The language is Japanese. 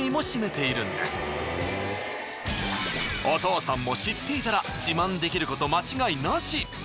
お父さんも知っていたら自慢できること間違いなし。